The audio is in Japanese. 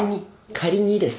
仮にです。